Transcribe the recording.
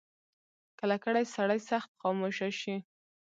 کله کله سړی سخت خاموشه شي.